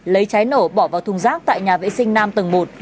lấy trái nổ bỏ vào thùng rác tại nhà vệ sinh nam tầng một